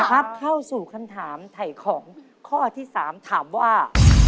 เข้าสู่คำถามไถ่ของข้อที่๓ถามว่า